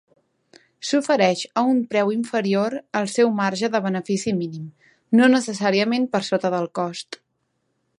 S'ofereix a un preu inferior al seu marge de benefici mínim, no necessàriament per sota del cost.